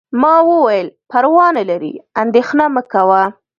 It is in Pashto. ما وویل: پروا نه لري، اندیښنه مه کوه.